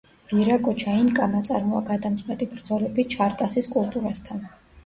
ვირაკოჩა ინკამ აწარმოა გადამწყვეტი ბრძოლები ჩარკასის კულტურასთან.